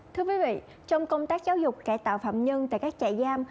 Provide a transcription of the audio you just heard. thưa quý vị trong công tác giáo dục cải tạo phạm nhân tại các trại giam